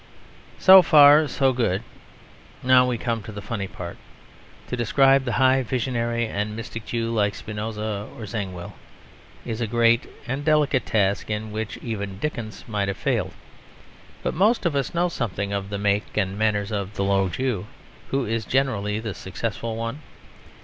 So far so good. Now we come to the funny part. To describe the high visionary and mystic Jew like Spinoza or Zangwill is a great and delicate task in which even Dickens might have failed. But most of us know something of the make and manners of the low Jew, who is generally the successful one.